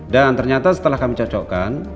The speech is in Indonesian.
dan ternyata setelah kami cocokkan